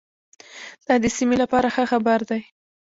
دا د سیمې لپاره ښه خبر دی.